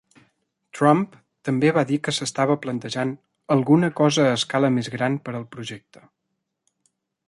Trump també va dir que s'estava plantejant "alguna cosa a escala més gran" per al projecte.